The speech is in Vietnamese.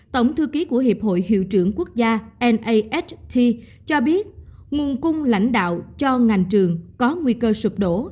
tổng thư ký của hiệp hội hiệu trưởng quốc gia nas t cho biết nguồn cung lãnh đạo cho ngành trường có nguy cơ sụp đổ